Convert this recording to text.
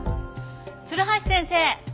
鶴橋先生。